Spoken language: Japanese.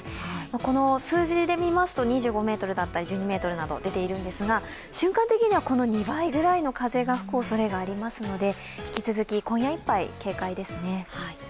この数字で見ますと２５メートルだったり１２メートルだとか出ているんですが、瞬間的にはこの２倍くらいの風が吹くおそれがありますので引き続き今夜いっぱい警戒ですね。